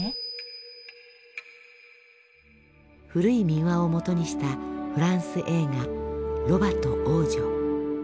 古い民話をもとにしたフランス映画「ロバと王女」。